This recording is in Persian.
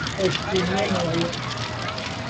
خوشبینی ملایم